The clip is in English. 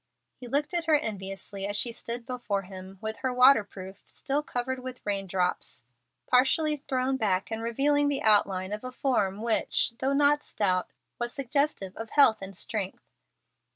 He looked at her enviously as she stood before him, with her waterproof, still covered with rain drops, partially thrown back and revealing the outline of a form which, though not stout, was suggestive of health and strength.